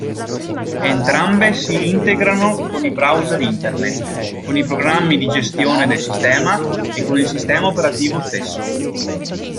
Entrambe si integrano con i browser Internet, con i programmi di gestione del sistema e con il sistema operativo stesso.